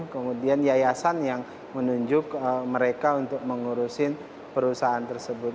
kemudian yayasan yang menunjuk mereka untuk mengurusin perusahaan tersebut